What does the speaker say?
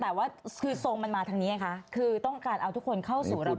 แต่ว่าคือทรงมันมาทางนี้ไงคะคือต้องการเอาทุกคนเข้าสู่ระบบ